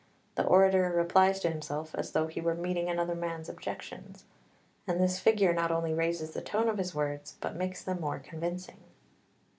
The orator replies to himself as though he were meeting another man's objections. And this figure not only raises the tone of his words but makes them more convincing.